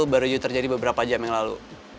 baru juga terjadi beberapa jam yang lalu